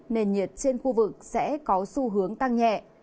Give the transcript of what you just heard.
nền nhiệt trên khu vực sẽ có xu hướng tăng nhẹ